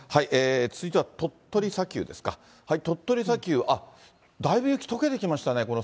続いては鳥取砂丘ですか、鳥取砂丘、だいぶ、雪とけてきましたね。